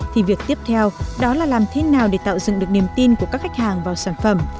thì việc tiếp theo đó là làm thế nào để tạo dựng được niềm tin của các khách hàng vào sản phẩm